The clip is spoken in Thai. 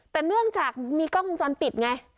แต่เนื่องจากมีกล้องวงจรปิดไง